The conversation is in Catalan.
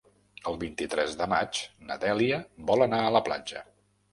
El vint-i-tres de maig na Dèlia vol anar a la platja.